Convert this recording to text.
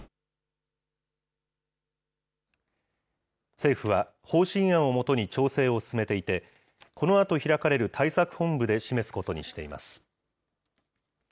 政府は、方針案をもとに調整を進めていて、このあと開かれる対策本部で示すことにしています。